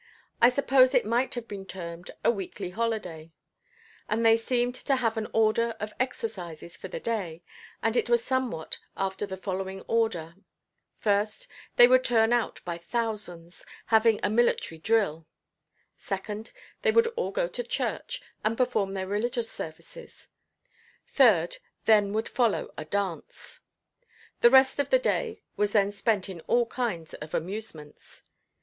I suppose it might have been termed a weekly holiday; and they seemed to have an order of exercises for the day, and it was somewhat after the following order: first they would turn out by thousands, have a military drill; second, they would all go to church and perform their religious services; third, then would follow a dance. The rest of the day was then spent in all kinds of amusements.